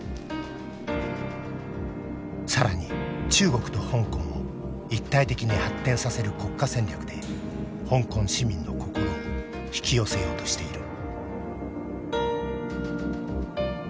更に中国と香港を一体的に発展させる国家戦略で香港市民の心を引き寄せようとしている。